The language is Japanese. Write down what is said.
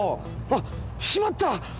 あっ！しまった！